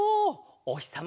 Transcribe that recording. おひさま